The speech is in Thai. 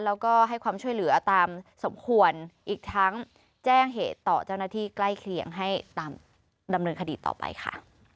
แล้วก็ให้ความช่วยเหลือตามสมควรอีกทั้งแจ้งเหตุต่อเจ้าหน้าที่ใกล้เคียงให้ตามดำเนินคดีต่อไปค่ะ